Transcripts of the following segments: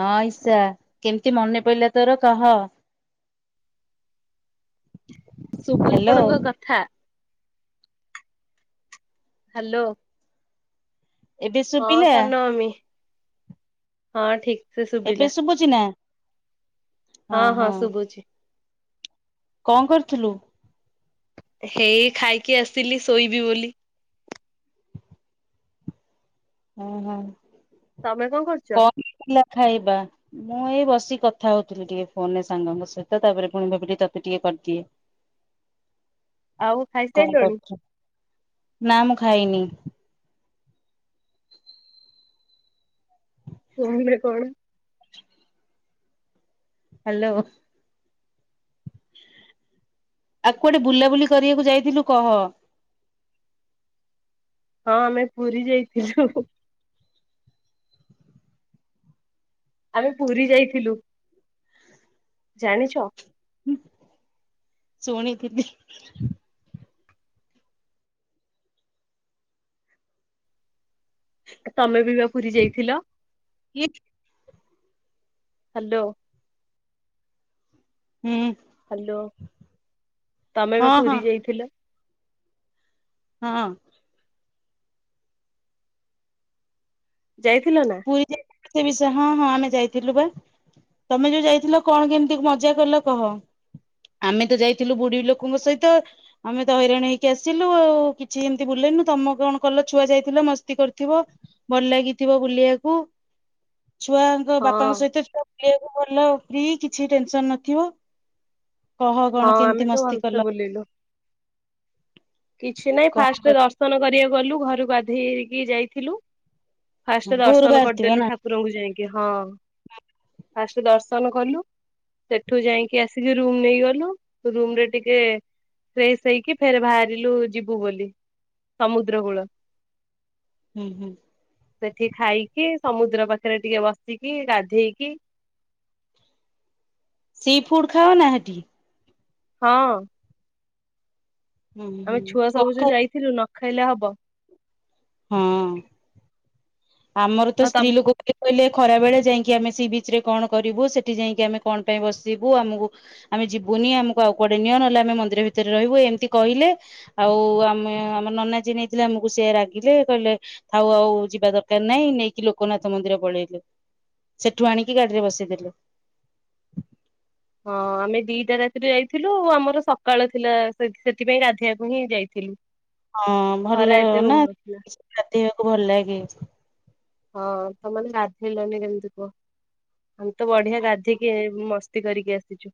ହଁ ଇଶା କେମତି ମନେ ପଇଲା ତୋର କହ। ହ୍ୟାଲୋ ସୁବୁଆଣଙ୍କ କଥା। ହ୍ୟାଲୋ। ଏବେ ଶୁବିଲା। ମମି ହଁ ଠିକ ସେ ଶୁବିଲା। ଚିନା। ହଁ ହଁ ଶୁବୁଚି। କଣ କରିଥିଲୁ। ହେଇ ଖାଇକି ଆସିଲି ଶୋଇବି ବୋଲି। ଓ ହୋ। ତମେ କଣ କରୁଚ। ଥିଲା ଖାଇବା। ମୁଁ ଏଇ ବସିକି କଥା ହୋଉଥିଲି ଟିକେ ଫୋନ ରେ ସାଙ୍ଗଙ୍କ ସହିତ ତାପରେ ପୁଣି ଭାବିଲି ତୋତେ ଟିକେ କରିଦିଏ। ଆଉ କଣ ଖାଇସାରିଲଣି କରୁଚୁ ନା ମୁଁ ଖାଇନି। କମରେ କଣ। ହ୍ୟାଲୋ। ଆଉ କୁଆଡେ ବୁଲାବୁଲି କରିବାକୁ ଯାଇଥିଲୁ କହ। ହଁ ଆମେ ପୁରୀ ଯାଇଥିଲୁ। ଆମେ ପୁରୀ ଯାଇଥିଲୁ ଜାଣିଚ। ଶୁଣିଥିଲି। ତମେ ବି ବା ପୁରୀ ଯାଇଥିଲ। କି ହ୍ୟାଲୋ। ହୁଁ ହ୍ୟାଲୋ ତମେ ବା ହଁ ହଁ ପୁରୀ ଯାଇଥିଲ। ହଁ। ଯାଇଥିଲ ନା ପୁରୀ ଯାଇଥିଲୁ ସେ ବିଷୟ ହଁ ହଁ ଆମେ ଯାଇଥିଲୁ ବା। ତମେ ଯୋଉ ଯାଇଥିଲ କଣ କେମିତି ମଜା କଲ କହ। ଆମେ ତ ଯାଇଥିଲୁ ବୁଢୀ ଲୋକଙ୍କ ସହିତ। ଆମେ ତ ହଇରାଣ ହେଇକି ଆସିଲୁ ଆଉ କିଛି ଏମିତି ବୁଲେଇନୁ ତମ କଣ କଲ ଛୁଆ ଯାଇଥିଲ ମସ୍ତି କରିଥିବ। ଭଲ ଲାଗିଥିବ ବୁଲିବାକୁ ଛୁଆଙ୍କ ହଁ ବାପାଙ୍କ ସହିତ ବୁଲିବାକୁବି ଭଲ ଫ୍ରି କିଛି ଟେନସନ ନଥିବ। କହ ହଁ କଣ ଆମେ କେମିତି ତ ମସ୍ତି ଭଲସେ କଲ। ବୁଲିଲୁ। କିଛି ନାହିଁ କଣ ଫାଷ୍ଟ ଦର୍ଶନ କରିବାକୁ ଗଲୁ ଘରକୁ ବାଧେଇକି ଯାଇଥିଲୁ। କଲ ଫାଷ୍ଟ ଭୋରୁ ଦର୍ଶନ ବାହାରିଥିବ କରିଦେଲୁ ନା ଠାକୁରଙ୍କୁ ଯାଇକି ହଁ ଫାଷ୍ଟ ଦର୍ଶନ କଲୁ ସେଠୁ ଯାଇକି ଆସିକି ରୁମ ନେଇଗଲୁ ରୁମରେ ଟିକେ ଫ୍ରେସ୍ ହେଇକି ଫେର ବାହାରିଲୁ ଯିବୁ ବୋଲି ସମୁଦ୍ର କୂଳ। ହୁଁ ହୁଁ। ସେଠି ଖାଇକି ସମୁଦ୍ର ପାଖରେ ଟିକେ ବସିକି ଗାଧେଇକି ସି ଫୁଡ୍ ଖାଅ ନା ସେଠି? ହଁ। ହୁଁ ଆମେ ହୁଁ ଛୁଆ ସବୁ କଣ ଯେ ଖାଇ ଯାଇଥିଲୁ ନ ଖାଇଲେ ହବ। ହଁ, ଆମର ତ ଆଉ ସ୍ତ୍ରୀ ତମେ ଲୋକ କେ କହିଲେ ଖରା ବେଳେ ଯାଇକି ଆମେ ସେ ବିଚ୍ ରେ କଣ କରିବୁ। ସେଠି ଯାଇକି ଆମେ କଣ ପାଇଁ ବସିବୁ। ଆମକୁ ଆମେ ଯିବୁନି, ଆମକୁ ଆଉ କୁଆଡେ ନିଅ, ନହେଲେ ଆମେ ମନ୍ଦିର ଭିତରେ ରହିବୁ ଏମିତି କିହିଲେ। ଆଉ ଆମେ ଆମ ନନା ଯିଏ ନେଇଥିଲେ ଆମକୁ ସେ ରାଗ ଗିଲେ, କହିଲେ ଥାଉ ଆଉ ଯିବା ଦରକାର ନାଇଁ, ନେଇକି ଲୋକନାଥ ମନ୍ଦିର ପଳେଇଲେ। ସେଠୁ ଆଣିକି ଗାଡି ରେ ବସେଇ ଦେଲେ। ହଁ ଆମେ ଦିଟା ରାତିରେ ଯାଇଥିଲୁ ଆମର ସକାଳ ଥିଲା ସେ ସେଥିପାଇଁ ଗାଧେଇଆକୁ ହିଁ ଯାଇଥିଲୁ। [inaudible] ହଁ ଖରା ଭଲ ଏତେ ନା ହଉନଥିଲା ସେଠି ଗାଧେଇବାକୁ ଭଲ ଲାଗେ। ହଁ ତୋମେ ମାନେ ଗାଧେଇଲନି କେମିତି କୁହ। ଆମେ ତ ବଢିଆ ଗାଧିକି ଏ ମସ୍ତି କରିକି ଆସିଛୁ।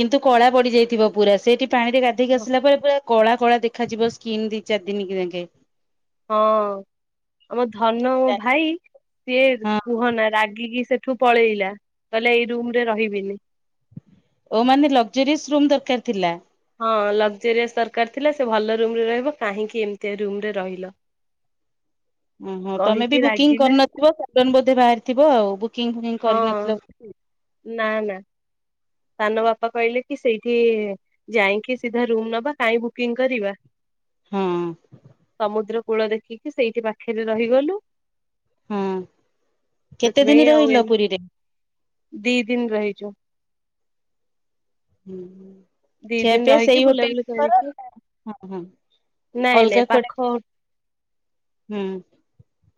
କିନ୍ତୁ କଳା ପଡି ଯାଇଥିବ ପୁରା, ସେଇଠି ପାଣି ରେ ଗାଧେଇକି ଆସିଲା ପରେ ପୁରା କଳା କଳା ଦେଖାଯିବ। କିନ୍ ଦି ଚାରି ଦିନ [inaudible] ଙ୍କେ ହଁ ଆମ ଧନ ମୋ ଭାଇ ସିଏ ହଁ କୁହନା ରାଗିକି ସେଠୁ ପଳେଇଲା। କହିଲା ଏଇ ରୁମ୍ ରେ ରହିବିନି। ଓ ମାନେ ଲଗଜରିସ୍ ରୁମ୍ ଦରକାର ଥିଲା। ହଁ ଲଗଜୋରିଆସ୍ ଦରକାର ଥିଲା, ସେ ଭଲ ରୁମ୍ ରେ ରହିବ, କାହିଁକି ଏମିତିଆ ରୁମ୍ ରେ ରହିଲ। ଓହୋ, ତୋମେ ବି କହିକି ବୁକିଂ ରାଗିଲା କରିନଥିବ, ସଡନ୍ ବୋଧେ ବାହାରିଥିବ ଆଉ, ବୁକିଂ ଫୁକିଂ ହଁ କରିନଥିଲ [inaudible] ନା, ନା। ସାନ ବାପା କହିଲେ କି ସେଇଠି ଯାଇକି ସିଧା ରୁମ୍ ନବା, କାଇଁ ବୁକିଂ କରିବା। ହଁ ସମୁଦ୍ର କୂଳ ଦେଖିକି ସେଇଠି ପାଖରେ ରହିଗଲୁ। ହଁ କେତେ ଦିନ ସେଥିପାଇଁ ଆଉ ରହିଲ ଏମ, ପୁରୀରେ? ଦି ଦିନ ରହିଛୁ। ଦି [inaudible] ଦିନ ଖିଆପିଆ ରହିକି ସେଇ ହୋଟେଲ୍ ବୁଲାବୁଲି କରନା କରିକି ହଁ, ହଁ ନାଇଁ ଅଲଗା ନାଇଁ କୁଆଡେ ପାଖ ହୋ ହୁଁ।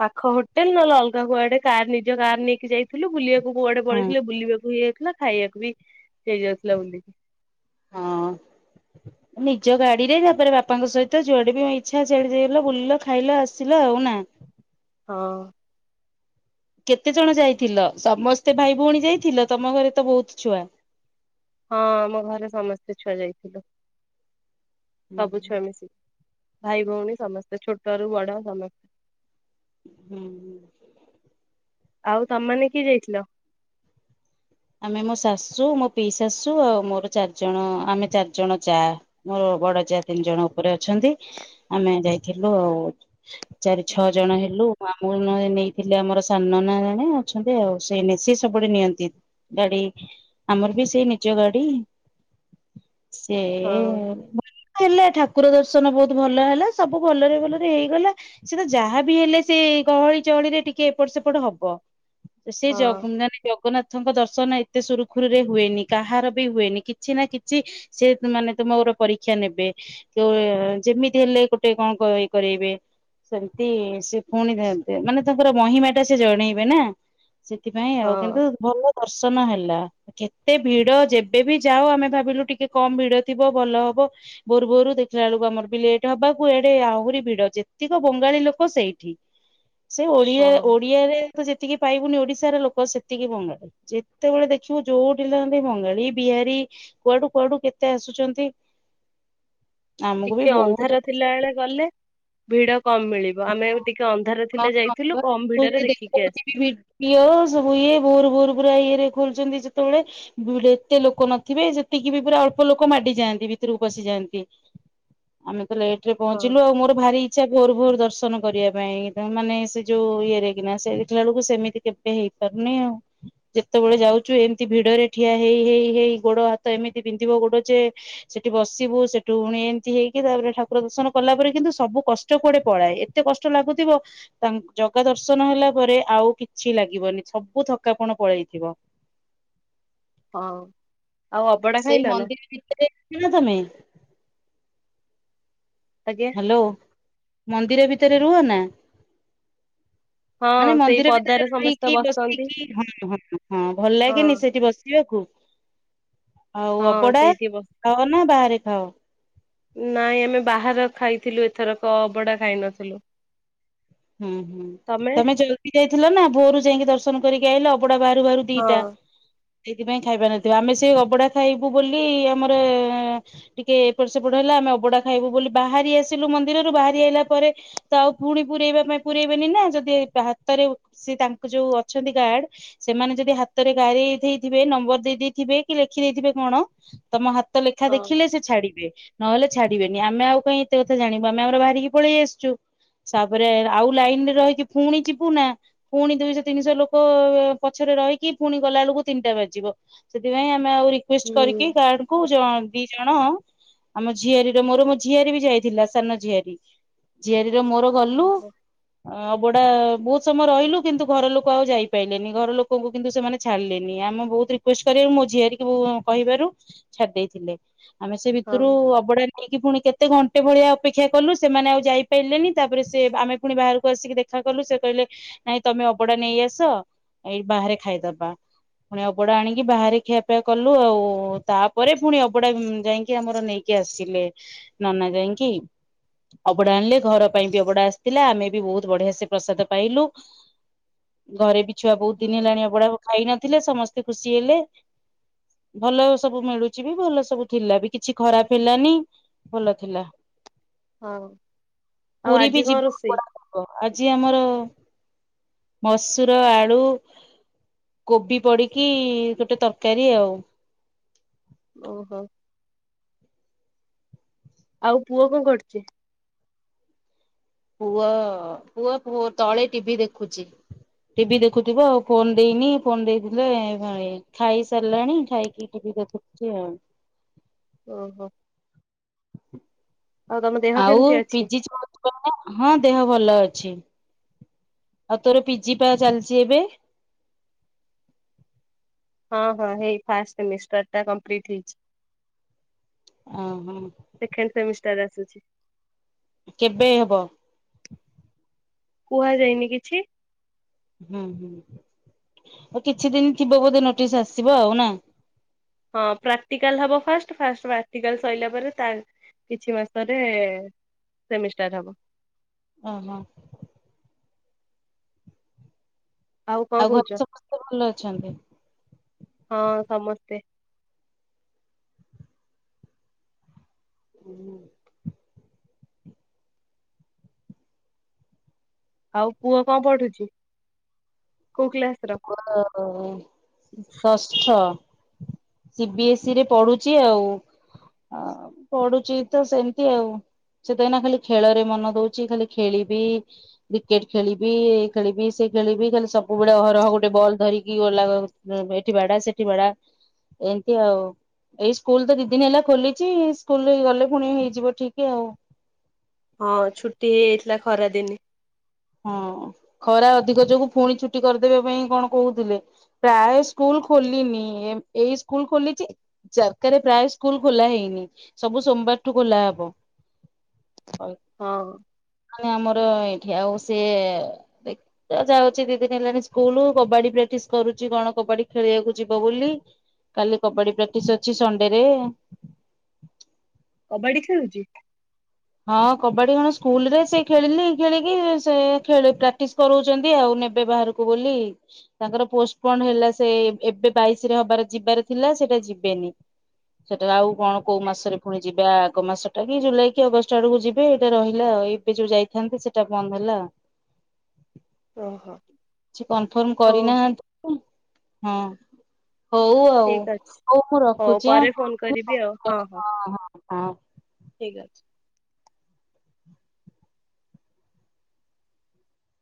ପାଖ ହୋଟେଲ୍ ନହଲେ ଅଲଗା କୁଆଡେ ନିଜ କାର୍ ନିଜ କାର୍ ନେଇକି ଯାଇ ଥିଲୁ, ବୁଲିବାକୁ କୁଆଡେ ହଁ ପଳେଇଥିଲେ ବୁଲିବାକୁ ହେଇଯାଇଥିଲା, ଖାଇବାକୁ ବି ହେଇଯାଉଥିଲା ବୁଲିକି। ହଁ। [inaudible] ନିଜ ଗାଡି ରେ ତାପରେ ବାପାଙ୍କ ସହିତ ଯୁଆଡେ ବି ଇଚ୍ଛା ସିଆଡେ ଯାଇଲ, ବୁଲିଲ, ଖାଇଲ, ଆସିଲ ଆଉ ନା? ହଁ। କେତେ ଜଣ ଯାଇଥିଲ? ସମସ୍ତେ ଭାଇ ଭଉଣୀ ଯାଇଥିଲ, ତୋମ ଘରେ ତ ବହୁତ ଛୁଆ? ହଁ ଆମ ଘରେ ସମସ୍ତେ ଛୁଆ ଯାଇଥିଲୁ। ହୁଁ ସବୁ ଛୁଆ ମିଶିକି। ଭାଇ ଭଉଣୀ ସମସ୍ତେ, ଛୋଟରୁ ବଡ ସମସ୍ତେ। ହୁଁ, ହୁଁ। ଆଉ ତୋମ ମାନେ କିଏ ଯାଇଥିଲ? ଆମେ ମୋ ଶାଶୁ, ମୋ ପିଇ ଶାଶୁ ଆଉ ମୋର ଚାରିଜଣ ଆମେ ଚାରିଜଣ ଯା। ମୋର ବଡ ଯା ତିନି ଜଣ ଉପରେ ଅଛନ୍ତି ଆମେ ଯାଇଥିଲୁ ଆଉ। ଚାରି ଛଅ ଓହୋ ଜଣ ହେଲୁ। ମୋ ଆମକୁ ନଏ ନେଇଥିଲେ ଆମର ସାନ ନନା ଜଣେ ଅଛନ୍ତି, ଆଉ ସେ ନେ ସିିଏ ସବୁବେଳେ ନିଅନ୍ତି। ଗାଡି ଆମର ବି ସେଇ ନିଜ ଗାଡି। ସେ ହଁ ବୁଲିଲୁ। ହେଲେ ଠାକୁର ଦର୍ଶନ ବହୁତ ଭଲ ହେଲା, ସବୁ ଭଲରେ ଭଲରେ ହେଇଗଲା। ସେଟା ଯାହା ବିି ହେଲେ ସେ ଗହଳି ଚହଳିରେ ଟିକେ ଏପଟ ସେପଟ ହବ। ସେ ହଁ ଜ- ମାନେ ଜଗନ୍ନାଥଙ୍କ ଦର୍ଶ ଶନ ଏତେ ସୁରୁଖୁରୁରେ ହୁଏନି, କାହାର ବି ହୁଏନି। କିଛି ନା କିଛି ସିଏ ତ ମାନେ ତୁମୋର ପରୀକ୍ଷା ନେବେ। ତୋ ଯେମିତି ହେଲେ ଗୋଟେ କଣ କଇ କରଇବେ। ସେମିତି ସେ ପୁଣି ମା ମାନେ ତାଙ୍କର ମହିମାଟା ସେ ଜଣେଇବେ ନା। ସେଥିପାଇଁ ଆଉ ହଁ କିନ୍ତୁ ଭଲ ଦର୍ଶନ ହେଲା। କେତେ ଭିଡ଼ ଯେବେବି ଯାଉ ଆମେ ଭାବିଲୁ ଟିକେ କମ୍ ଭିଡ଼ ଥିବ ଭଲ ହବ ଭୋର ଭୋରୁ ଦେଖିଲା ବେଳକୁ ଆମରବି ଲେଟ୍ ହବାକୁ ଏଡ଼େ ଆହୁରି ଭିଡ଼ ଯେତିକ ବଙ୍ଗାଳୀ ଲୋକ ସେଇଠି। [inaudible] ସେ ଓଡିଆ ହଁ ଓଡିଆରେତ ଯେତିକି ପାଇବୁନି ଓଡିଶାରେ ଲୋକ ସେତିକି ବଙ୍ଗାଳି। ଯେତେବେଳେ ଦେଖିବୁ ଯୋଉଠି ଥାଆନ୍ତେ ବଙ୍ଗାଳୀ ବିହାରୀ କୁଆଡ଼ୁ କୁଆଡ଼ୁ କେତେ ଆସୁଛନ୍ତି। ଆମକୁ ବି ଟିକେ ବହୁତ ଅନ୍ଧାର ଥିଲା ବଳେ ଗଲେ ଭିଡ଼ କମ୍ ମିଳିବ ଆମେବି ଟିକେ ଅନ୍ଧାର ଥିଲେ ଯାଇଥିଲୁ କମ ଭିଡରେ ଦେଖିକି ଆସି ଇଅ ସବୁ ଇଏ ଭୋର ଭୋର ପୁରା ଇଏରେ ଖୋଲଚନ୍ତି ଯେତେବେଳେ ବୁ ଏତେ ଲୋକ ନଥିବେ ସେତିକିବି ପୁରା ଅଳ୍ପ ଲୋକ ମାଡିଯାଆନ୍ତି ଭିତରକୁ ପସିଯାଆନ୍ତି। ଆମେତ ଲେଟେରେ ହଁ ପହଞ୍ଚିଲୁ ଆଉ ମୋର ଭାରି ଇଚ୍ଛା ଭୋର ଭୋର ଦର୍ଶ ଦର୍ଶନ କରିବା ପାଇଁ ମାନେ ସେ ଯୋଉ ଇଏରେକିନା ସେଦେଖିଲା ବେଳକୁ ସେମିତି କେବେ ହେଇପାରୁନି ଆଉ। ଯେତେବେଳେ ଯାଉଛୁ ଏମତି ଭିଡ଼ରେ ଠିଆ ହେଇ ହେଇ ହେଇ ଗୋଡ଼ ହାତ ଏମିତି ପନ୍ଧିବ ଗୋଡ଼ ଯେ ସେଠି ବସିବୁ ସେଠୁ ପୁଣି ଏମିତି ହେଇକି ତାପରେ ଠାକୁର ଦର୍ଶନ କଲା ପରେ କିନ୍ତୁ ସବୁ କଷ୍ଟ କୁଆଡ଼େ ପଳାଏ ଏତେ ଏତେ କଷ୍ଟ ଲାଗୁଥିବ ତା ଜଗା ଦର୍ଶନ ହେଲା ପରେ ଆଉ କିଛି ଲାଗିବନି ସବୁ ଥକାପଣ ପଳେଇଥିବ। ହଁ ଆଉ ଅବଢ଼ା ଖାଇଲନା? [unintelligible] ଖାଅ ତମେ ଆଜ୍ଞା। ହାଲୋ ମନ୍ଦିର ଭିତରେ ରୁହନା? [inaudible] ମାନେ ସେଇ ମନ୍ଦିର ଭିତରେ ପଦାରେ ସମସ୍ତେ ରହିକି ବସନ୍ତି ବସିକି ହଁ ହଁ ହଁ ଭଲ ଲାଗେନି ହଁ ସେଠି ବସିବାକୁ? [inaudible] ଆଉ ହଁ ଅବଢ଼ା ସେଇଠି ବସ ଖାଅନା ବାହାରେ ଖାଅ? ନାଇଁ ଆମେ ବାହାର ଖାଇଥିଲୁ ଏଥରକ ଅଭଡ଼ା ଖାଇନଥିଲୁ। ହୁଁ ହୁଁ ତମେ ଜଲଦି ଯାଇଥିଲନା ଭୋର ଭୋରୁ ଯାଇକି ଦର୍ଶନ କରିକି ଆଇିଲ ଅଭଢ଼ା ବାହାରୁ ବାହାରୁ ହଁ ଦିଟା ସେଇଥିପାଇଁ ଖାଇ ପାରିନଥିବ ଆମେ ସେ ଅଭଢ଼ା ଖାଇବୁ ବୋଲି ଆମର ଟିକେ ଏପଟ ସେପଟ ହେଲା ଆମେ ଅବଢ଼ା ଖାଇବୁ ବୋଲି ବାହାରି ଆସିଲୁ ମନ୍ଦିରରୁ ବାହାରି ଆସିଲା ପରେ ତ ଆଉ ପୁଣି ପୁରଇବା ପାଇଁ ପୁରଇବେନିନା ଯଦି ହାତରେ ସେତାଙ୍କ ଯୋଉ ଅଛନ୍ତି ଗାର୍ଡ ସେମାନେ ଯଦି ହାତରେ ଗାରେଇ ଦେଇଥିବେ ନମ୍ବର ଦେଇ ଦେଇଥିବେ କିଲେଖି ଦେଇଥିବେ କଣ ତମ ହାତ ଲେଖା ହଁ ଦେଖିଲେ ସେ ଛାଡିବେ। ନହେଲେ ଛାଡ଼ିବେନି ଆମେ ଆଉ କାଇଁ ଏତ କଥା ଜାଣିବୁ ଆମ ଆମର ବାହାରିକି ପଳେଇ ଆସିଚୁ। ତାପରେ ଆଉ ଲାଇନିରେ ରହିକି ପୁଣି ଯିବୁନା? ପୁଣି ଦୁଇଶହ ତିନିଶହ ଲୋକ ପଛରେ ରହିକି ପୁଣି ଗଲାବେଳକୁ ତିନିଟା ବାଜିବ। ସେଥିପାଇଁ ଆମେ ଆଉ ରିକୁଏଷ୍ଟ କରିକି ହୁଁ। ଗାର୍ଡକୁ ଜ ଦିଜଣ ଆମ ଝିଆରୀର ମୋର ମୋ ଝିଆରୀବି ଯାଇଥିଲା ସାନ ଝିଆରୀ। ଝିଆରୀର ମୋର ଗଲୁ। ଓହୋ ଅବଢ଼ା ବହୁତ୍ ସମୟ ରହିଲୁ କିନ୍ତୁ ଘର ଲୋକ ଆଉ ଯାଇପାରିଲେନି ଘର ଲୋକଙ୍କୁ କିନ୍ତୁ ସେମାନେ ଛାଡ଼ିଲେନି ଆମେ ବହୁତ୍ ରିକୁଏଷ୍ଟ କରିବାରୁ ମୋ ଝିଆରିକୁ କହିବାରୁ ଛାଡି ଦେଇଥିଲେ। ଆମେସେ ଭିତରୁ ହଉ ଅବଢ଼ା ନେଇକି ପୁଣି କେତେ ଘଣ୍ଟେ ଭଳିଆ ଅପେକ୍ଷା କଲୁ ସେମାନେ ଆଉ ଯାଇ ପାରିଲେନି ତାପରେ ସେ ଆମେ ପୁଣି ବାହାରକୁ ଆସିକି ଦେଖା କଲୁ ସେ କହିଲେ ନାଇଁ ତମେ ଅବଢ଼ା ନେଇ ଆସ ଏଇ ବାହାରେ ଖାଇଦବା। ପୁଣି ଅବଢ଼ା ଆଣିକି ବାହାରେ ଖିଆପିଆ କଲୁ ଆଉ ତାପରେ ପୁଣି ଅବଢ଼ା ଯାଇକି ଆମର ନେଇ କି ଆସିଲେ ନନା ଯାଇକି ଅବଢ଼ା ଆଣିଲେ ଘର ପାଇଁବି ଅବଢ଼ା ଆସିଥିଲା ଆମେବି ବହୁତ୍ ବଢ଼ିଆସେ ପ୍ରସାଦ ପାଇଲୁ। ଘରେବି ଛୁଆ ବହୁତ୍ ଦିନ ହଉ ହେଲାଣି ଅବଢ଼ା ଖାଇ ନଥିଲେ ସମସ୍ତେ ଖୁସି ହେଲେ। ଭଲ ସବୁ ମିଳୁଚି ବି ଭଲ ସବୁ ଥିଲା ବି କିଛି ଖରାପ ହେଲାନି ଭଲ ଥିଲା। ହଁ। ପୁରି ବି ଯି [inaudible] ଆଜି ଆମର ମସୁର, ଆଳୁ କୋବି ପଡିକି ଗୋଟେ ତରକାରୀ ଆଉ। ଓହୋ। ଆଉ ପୁଅ କଣ କରୁଚି? ପୁଅ ପୁଅ ତଳେ ଟିଭିି ଦେଖୁଚି। ଟିଭି ଦେଖୁଥିବ ଆଉ ଫୋନ୍ ଦେଇନି ଫୋନ୍ ଦେଇଥିଲେ ଖାଇ ଖାଇ ସାରିଲାଣି ଖାଇକି ଟିଭି ଦେଖୁ ଚି ଆଉ। ଓହୋ। ଆଉ ତମ ଦେହ ଆଉ କେମିତି ଅଛି? ପିଜିଜ୍ କ ଣ ହଁ ଦେହ ଭଲ ଅଛି ଆଉ ତୋର ପିଜି ପା ଚାଲିଚି ଏବେ? ହଁ ହଁ ହେଇ ଫାଷ୍ଟ ସେମିଷ୍ଟର ଟା କମ୍ପ୍ଲିଟ୍ ହେଇଚି। ଓ ହଁ। ସେକେଣ୍ଡ ସେମିଷ୍ଟାର ଆସୁଚି। କେବେ ହେବ? କୁହାଯାଇନି କିଛି। ହୁଁ ହୁଁ ଆଉ କିଛି ଦିନ ଥିବ ବୋଧେ ନୋଟିସ ଆସିବ ଆଉ ନା। ହଁ ପ୍ରାକ୍ଟିକାଲ ହବ ଫାଷ୍ଟ ଫାଷ୍ଟ ପ୍ରାକ୍ଟିକାଲ ସ‌ଇଲା ପରେ ତା କିଛି ମାସରେ ସେମିଷ୍ଟାର ହବ। ଓ ହୋ। କଣ ଆଉ କହୁଛ? ଘରେ ସମସ୍ତେ ଭଲ ଅଛନ୍ତି? ହଁ ସମସ୍ତେ‌। ହୁଁ। ଆଉ ପୁଅ କଣ ପଢୁଚି କୋଉ କ୍ଲାସ? ର? [unintelligible] ହଁ ସିବିଏସ୍ଇ ରେ ପଢୁଚି ଆଉ। ହଁ ପଢୁଚି ତ ସେମିତି ଆଉ। ସେ ତ ଏଇଁନା ଖାଲି ଖେଳ ରେ ମନ ଦୋଉଚି ଖାଲି ଖେଳିବି। କ୍ରିକେଟ ଖେଳିବି ଇଏ ଖେଳିବି ସେ ଖେଳିବି ଖାଲି ସବୁବେଳେ ଅହ ରହ ଗୋଟେ ବଲ ଧରିକି ଗଲା ଏଠି ବାଡା ସେଠି ବାଡା ଏମିତି ଆଉ। ଏଇ ସ୍କୁଲ ତ ଦି ଦିନ ହେଲା ଖୋଲିଚି ସ୍କୁଲ ଗଲେ ଫୁଣି ହେଇଯିବ ଠିକ ଆଉ। ହଁ ଛୁଟି ହେଇଯାଇଥିଲା ଖରା ଦିନେ। ହଁ ଖରା ଅଧିକ ଯୋଗୁ ଫୁଣି ଛୁଟି କରିଦେବେ ପାଇଁ କଣ କୋହୁଥିଲେ। ପ୍ରାୟ ସ୍କୁଲ ଖୋଲିିନି ଏ ଏଇ ସ୍କୁଲ ଖୋଲିଚି। ଯାରକାରେ ପ୍ରାୟ ସ୍କୁଲ ଖୋଲା ହେଇନି ସବୁ ସୋମବାରଠୁ ଖୋଲା ହବ। ହଉ। ହୋଉ। ମାନେ ଆମର ଏଇଠି ଆଉ ସିଏ ଦେ ଯାଉଚି ଦିଇ ଦିନି ହେଲାଣି ସ୍କୁଲ କବାଡି ପ୍ରାଟିସ୍ କରୁଚି କଣ କବାଡି ଖେଳିବାକୁ ଯିବ ବୋଲି। କାଲି କବାଡି ପ୍ରାଟିସ୍ ଅଛି ସଣ୍ଡେରେ। କବାଡି ଖେଳୁଚି? ହଁ କବାଡି କଣ ସ୍କୁଲରେ ସେ ଖେଳିଲି ଖେଳିକି ସେ ଖେଳି ପ୍ରାଟିସ୍ କରୋଉଚନ୍ତି ଆଉ ନେବେ ବାହାର କୁ ବୋଲି ତାଙ୍କର ପୋଷ୍ଟପଣ୍ଡ ହେଲା ସେ ଏବେ ବାଇଶିରେ ହବାର ଯିବାର ଥିଲା ସେଟା ଯିବେନି। ସେଟାର ଆଉ କଣ କୋଉ ମାସରେ ଫୁଣି ଯିବା ଆଗ ମାସଟା କି ଜୁଲାଇ କି ଅଗଷ୍ଟ ଆଡକୁ ଯିବେ ଏଇଟା ରହିଲାଉ ଏବେ ଯୋଉ ଯାଇଥାନ୍ତେ ସେଟା ବନ୍ଦ ହେଲା। ଓହୋ। କି କନଫର୍ମ ହଉ କରିନାହାନ୍ତି [inaudible] ହଁ। ହଉ ଆଉ ଠିକ ଅଛି ହଉ ମୁଁ ହଉ ରଖୁଛି ପରେ ଫୋନ କରିବି ଆ। ଠିକ ଅଛି।